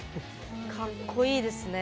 かっこいいですね。